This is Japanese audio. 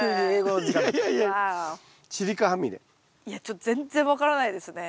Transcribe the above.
いやちょっと全然分からないですね。